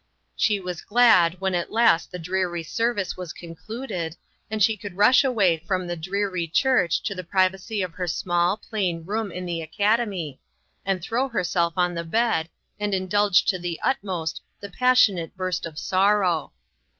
She was glad when at last the dreary service was concluded, and she could rush away from the dreary church to the privacy of her small, plain room in the academy, and throw herself on the bed, and indulge to the utmost the passionate burst of sorrow.